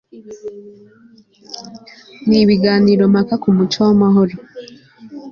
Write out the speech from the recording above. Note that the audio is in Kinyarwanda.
n ibiganirompaka ku muco w amahoro